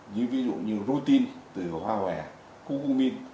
như ví dụ như routine từ hoa hòa cung cung minh